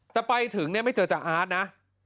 แต่ไปถึงเนี่ยไม่เจอจ้าอาร์ตนะ